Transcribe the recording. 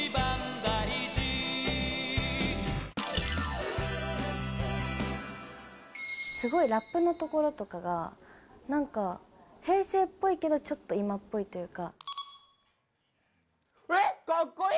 高梨：すごいラップのところとかが平成っぽいけどちょっと今っぽいというか。